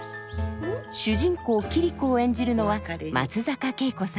主人公桐子を演じるのは松坂慶子さん。